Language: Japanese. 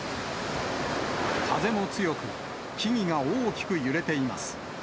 風も強く、木々が大きく揺れています。